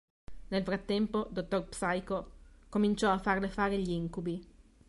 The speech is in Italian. Nel frattempo Dottor Psycho cominciò a farle fare gli incubi.